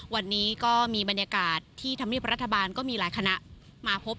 วันนี้ก็มีบรรยากาศที่ธรรมเนียบรัฐบาลก็มีหลายคณะมาพบ